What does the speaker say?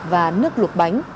và nước luộc bánh